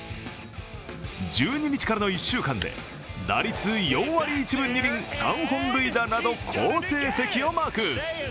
１２日からの１週間で打率４割１分２厘３本塁打など好成績をマーク。